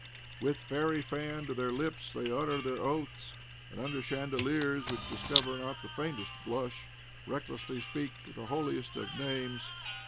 With fairy fan to their lips they utter their oaths, and, under chandeliers which discover not the faintest blush, recklessly speak the holiest of names.